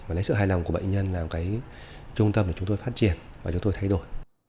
và lấy sự hài lòng của bệnh nhân là một cái trung tâm để chúng tôi phát triển và chúng tôi thay đổi